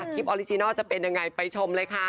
ออริจินัลจะเป็นยังไงไปชมเลยค่ะ